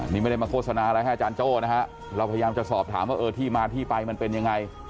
นี่ไม่ได้มาโฆษณาอะไรให้อาจารย์โจ้นะฮะเราพยายามจะสอบถามว่าเออที่มาที่ไปมันเป็นยังไง